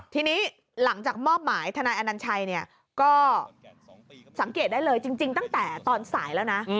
ทีนี้หลังจากมอบหมายทนายอนัญชัยก็สังเกตได้เลยจริงตั้งแต่ตอนสายแล้วนะ